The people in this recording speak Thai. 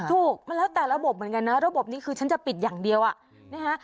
ถูกมันแล้วแต่ระบบเหมือนกันนะระบบนี้คือฉันจะปิดอย่างเดียวอ่ะนะฮะ